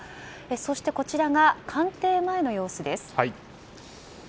そして、こちらが官邸前の様子です。